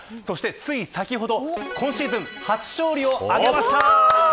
つい先ほど今シーズン初勝利を挙げました。